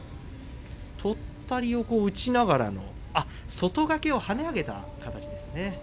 とったりを打ちながらの外掛けを跳ね上げた形ですね。